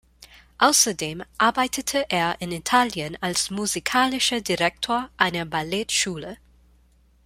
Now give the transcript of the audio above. Außerdem arbeitete er in Italien als musikalischer Direktor einer Ballettschule.